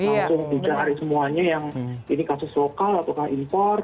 langsung dicari semuanya yang ini kasus lokal atau impor